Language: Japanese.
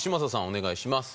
お願いします。